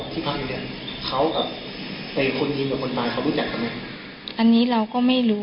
ที่พักอยู่เนี่ยเขากับเป็นคนยิงกับคนตายเขาพูดอยากกันไหมอันนี้เราก็ไม่รู้